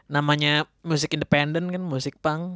namanya musik independen kan musik punk